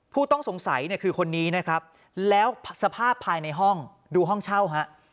ผู้ต้องสงสัยเนี่ยคือคนนี้นะครับแล้วสภาพภายในห้องดูห้องเช่าฮะ